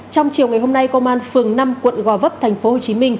trong chiều ngày hôm nay công an phường năm quận gò vấp tp hcm